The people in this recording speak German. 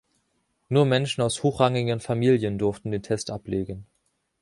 Nur Menschen aus hochrangigen Familien durften den Test ablegen.